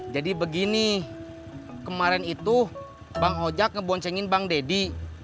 jadi begini kemarin itu bang ojak ngebonsengin bang deddy